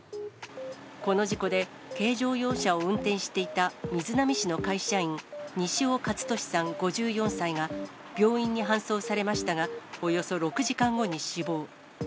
この事故で、軽乗用車を運転していた瑞浪市の会社員、西尾勝利さん５４歳が、病院に搬送されましたが、およそ６時間後に死亡。